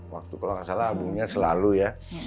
waktu kalau nggak salah albumnya selalu ya